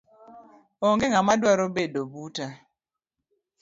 Onge ngama dwaro bedo buta